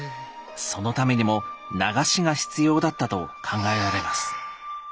そのためにも流しが必要だったと考えられます。